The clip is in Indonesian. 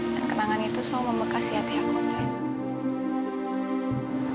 dan kenangan itu selalu membekasi hati aku nelina